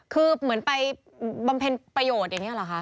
คือเหมือนไปบำเพ็ญประโยชน์อย่างนี้เหรอคะ